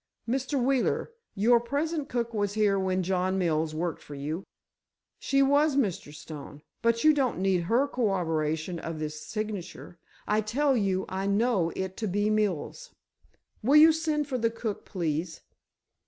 Mr. Wheeler, your present cook was here when John Mills worked for you?" "She was, Mr. Stone, but you don't need her corroboration of this signature. I tell you I know it to be Mills'." "Will you send for the cook, please?"